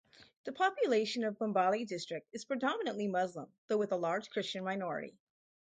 The population of Bombali District is predominantly Muslim, though with a large Christian minority.